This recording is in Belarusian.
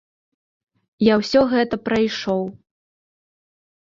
Я ўсё гэта прайшоў.